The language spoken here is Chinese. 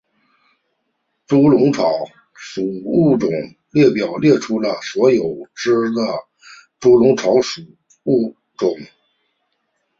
猪笼草属物种列表列出了所有已知的猪笼草属物种。